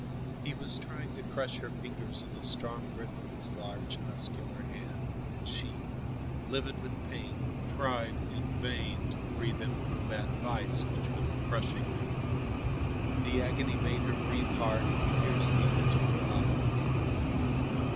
He was trying to crush her fingers in the strong grip of his large, muscular hand, and she, livid with pain, tried in vain to free them from that vise which was crushing them. The agony made her breathe hard and the tears came into her eyes.